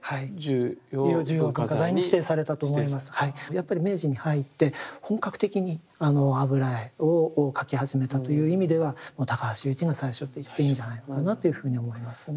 やっぱり明治に入って本格的にあの油絵を描き始めたという意味ではこの高橋由一が最初と言っていいんじゃないのかなというふうに思いますね。